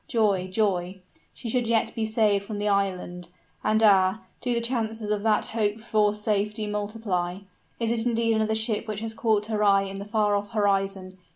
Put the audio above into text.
Joy! joy she should yet be saved from the island. And, ah do the chances of that hoped for safety multiply? Is it indeed another ship which has caught her eye in the far off horizon?